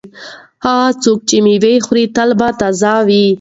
هغه څوک چې مېوه خوري تل به تازه وي.